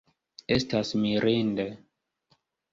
Estas mirinde!